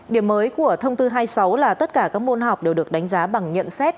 điểm mới của thông tư hai mươi sáu là tất cả các môn học đều được đánh giá bằng nhận xét